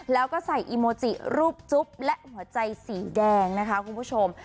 แล้วก็ใส่อีโมจิรูปจุ๊บและหัวใจสีแดงนะคะคุณผู้ชม